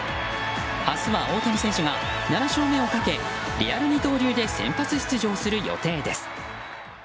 明日は大谷選手が７勝目をかけリアル二刀流で先発出場する予定です。